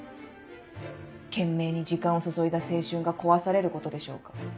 懸命に時間を注いだ青春が壊されることでしょうか？